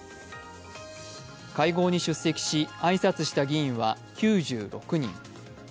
会合に出席し挨拶した議員は９６人。